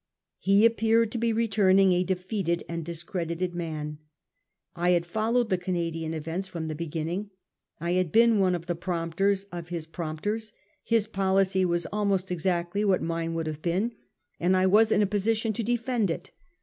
He appeared to be returning a defeated and discredited man. I had followed the Canadian events from the beginning ; I had been one of the prompters of his prompters ; his policy was almost exactly what mine would have been, and I was in a position to defend it.